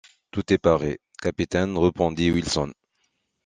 Tout est paré, capitaine, répondit Wilson.